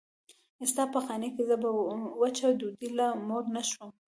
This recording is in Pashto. ستا په خانۍ کې زه په وچه ډوډۍ لا موړ نه شوم.